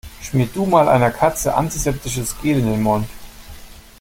Schmier du mal einer Katze antiseptisches Gel in den Mund.